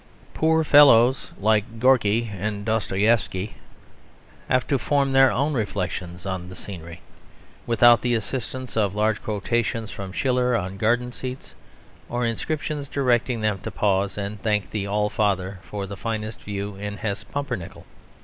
Poor fellows like Gorky and Dostoieffsky have to form their own reflections on the scenery, without the assistance of large quotations from Schiller on garden seats; or inscriptions directing them to pause and thank the All Father for the finest view in Hesse Pumpernickel.